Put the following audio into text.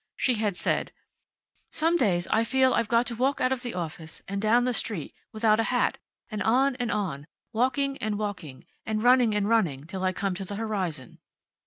She had said: "Some days I feel I've got to walk out of the office, and down the street, without a hat, and on and on, walking and walking, and running and running till I come to the horizon."